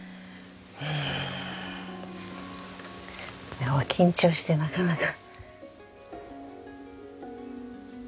うん緊張してなかなか。